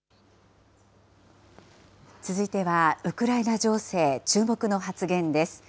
続いてはウクライナ情勢、注目の発言です。